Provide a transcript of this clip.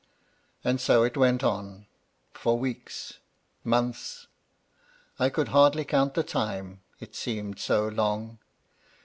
" And so it went on, — ^for weeks, months, — I could hardly count the time, it seemed so long.